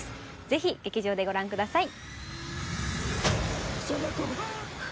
是非劇場でご覧ください。